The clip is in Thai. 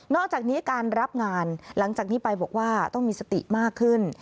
อกจากนี้การรับงานหลังจากนี้ไปบอกว่าต้องมีสติมากขึ้น